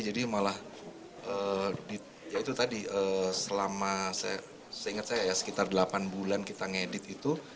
jadi malah ya itu tadi selama saya ingat saya ya sekitar delapan bulan kita ngedit itu